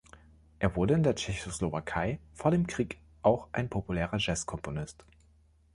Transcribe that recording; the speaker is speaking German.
Er wurde in der Tschechoslowakei vor dem Krieg auch ein populärer Jazzkomponist.